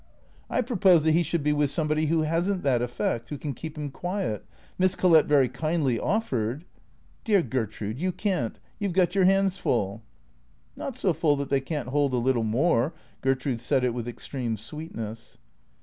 " I propose that he should be with somebody who has n't that effect, who can keep him quiet. Miss Collett very kindly offered "" Dear Gertrude, you can't. You 've got your hands full." " Not so full that they can't hold a little more." Gertrude said it with extreme sweetness.